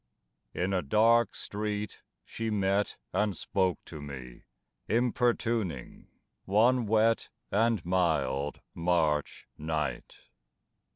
In a dark street she met and spoke to me, Importuning, one wet and mild March night.